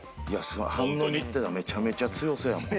反応見てたらめちゃめちゃ強そうやもん。